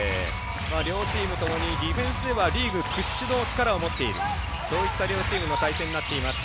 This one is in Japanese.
両チームともにディフェンスではリーグ屈指の力を持っているそういった両チームの対戦になっています。